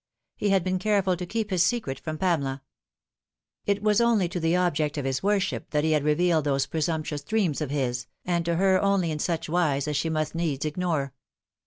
He had been careful to keep hia secret from Pamela. It was only to the object of his worship that he had revealed those presumptuous dreams of his, and to her only in such wise as she must needs ignore.